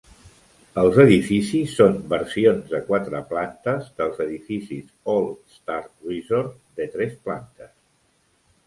Els edificis són versions de quatre plantes dels edificis All-Star Resort de tres plantes.